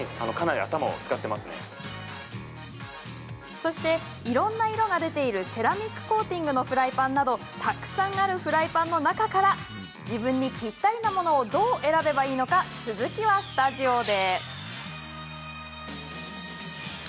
そして、いろんな色が出ているセラミックコーティングのフライパンなどたくさんあるフライパンの中から自分にぴったりなものをどう選べばいいのか続きはスタジオで。